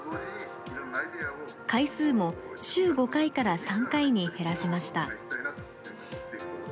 回数も週５回から３回に減らしました。